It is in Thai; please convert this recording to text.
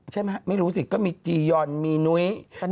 ใช่มั้ยไม่รู้สิก็มีจียอนมีนุ้ย